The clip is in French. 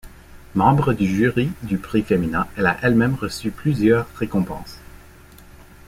Membre du jury du prix Femina, elle a elle-même reçu plusieurs récompenses.